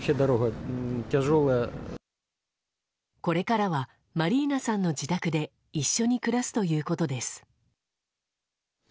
これからはマリーナさんの自宅で一緒に暮らすということです。